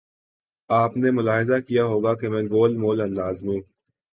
آپ نے ملاحظہ کیا ہو گا کہ میں گول مول انداز میں